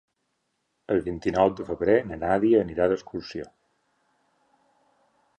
El vint-i-nou de febrer na Nàdia anirà d'excursió.